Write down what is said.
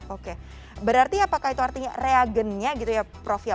oke berarti apakah itu artinya reagennya gitu ya prof ya